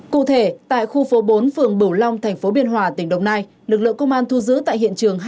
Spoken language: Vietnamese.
cụ thể tại khu phố bốn phường bửu long thành phố biên hòa tỉnh đồng nai lực lượng công an thu giữ tại hiện trường